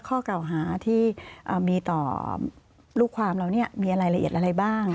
ข้อเก่าหาที่มีต่อลูกความเรามีรายละเอียดอะไรบ้าง